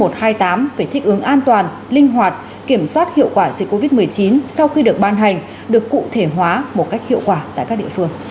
về thích ứng an toàn linh hoạt kiểm soát hiệu quả dịch covid một mươi chín sau khi được ban hành được cụ thể hóa một cách hiệu quả tại các địa phương